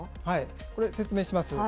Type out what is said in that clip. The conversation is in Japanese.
これ、説明します。